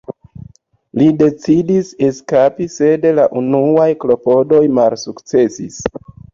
Li decidis eskapi sed la unuaj klopodoj malsukcesis.